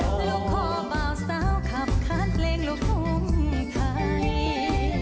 ลูกคอเบาเสาขับค้านเพลงลูกภูมิไทย